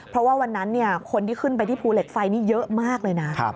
เพราะว่าวันนั้นคนที่ขึ้นไปที่ภูเหล็กไฟนี่เยอะมากเลยนะ